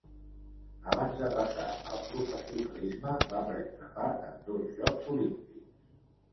Abans de passar al professionalisme va prendre part en dos Jocs Olímpics.